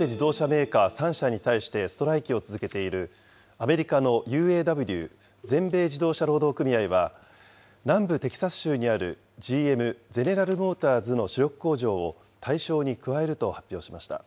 自動車メーカー３社に対して、ストライキを続けているアメリカのＵＡＷ・全米自動車労働組合は、南部テキサス州にあるＧＭ・ゼネラル・モーターズの主力工場を、対象に加えると発表しました。